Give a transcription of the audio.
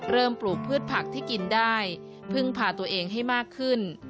ปลูกพืชผักที่กินได้พึ่งพาตัวเองให้มากขึ้น